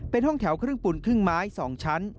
เป็นห้องแถวครึ่งปูนครึ่งไม้๒ชั้น